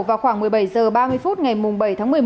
vào khoảng một mươi bảy h ba mươi phút ngày bảy tháng một mươi một